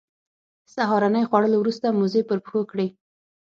سهارنۍ خوړلو وروسته موزې پر پښو کړې.